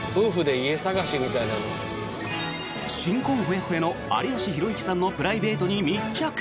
新婚ホヤホヤの有吉弘行さんのプライベートに密着！